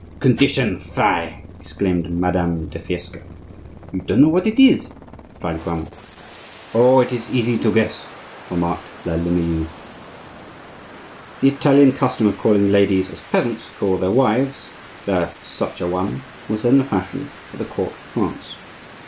"Condition! fie!" exclaimed Madame de Fiesque. "You don't know what it is," replied Grammont. "Oh! it is easy to guess," remarked la Limueil. The Italian custom of calling ladies, as peasants call their wives, "la Such a one" was then the fashion at the court of France.